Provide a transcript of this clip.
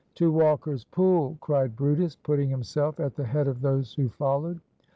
"To Walker's pool," cried brutus, putting himself at the head of those who followed.